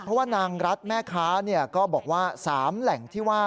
เพราะว่านางรัฐแม่ค้าก็บอกว่า๓แหล่งที่ว่า